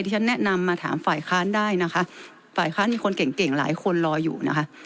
ฉันแนะนำมาถามฝ่ายค้านได้นะคะฝ่ายค้านมีคนเก่งเก่งหลายคนรออยู่นะคะ